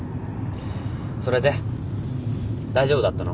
それで大丈夫だったの？